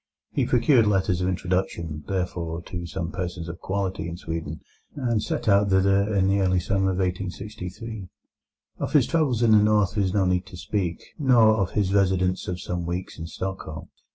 He procured letters of introduction, therefore, to some persons of quality in Sweden, and set out thither in the early summer of 1863. Of his travels in the North there is no need to speak, nor of his residence of some weeks in Stockholm.